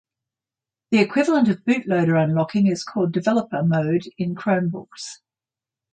The equivalent of bootloader unlocking is called developer mode in Chromebooks.